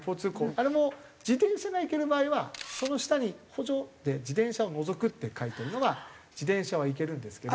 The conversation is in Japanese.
あれも自転車が行ける場合はその下に補助で「自転車を除く」って書いてるのが自転車は行けるんですけど。